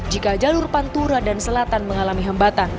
jika jalur pantura dan selatan mengalami hambatan